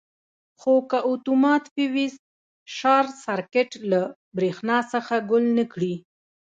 خو که اتومات فیوز شارټ سرکټ له برېښنا څخه ګل نه کړي.